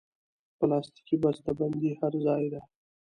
پلاستيکي بستهبندي هر ځای ده.